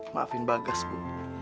maafkan pak bagas ibu